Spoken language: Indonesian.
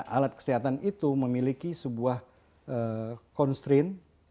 alat kesehatan itu memiliki sebuah constraint